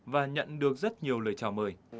và nhận được rất nhiều lời chào mời